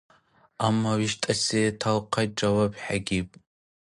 Амма виштӀаси талхъай жаваб хӀегиб.